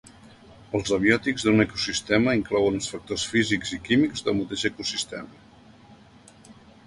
Els abiòtics d'un ecosistema inclouen els factors físics i químics del mateix ecosistema.